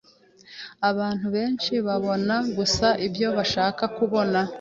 Abantu benshi babona gusa ibyo bashaka kubona.